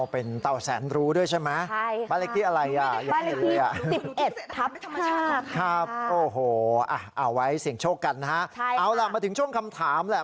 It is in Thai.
เป็นเตาแสงท์รูด้วยใช่ไหมบ้านเล็กธิอะไรอย่างนี้เลยละฮะฮะวัยสิ่งโชคกันนะฮะเอาล่ะมาถึงช่วงคำถามแหละ